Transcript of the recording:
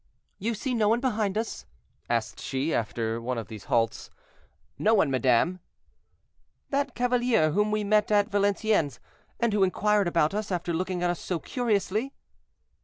"You see no one behind us?" asked she, after one of these halts. "No one, madame." "That cavalier whom we met at Valenciennes, and who inquired about us, after looking at us so curiously?"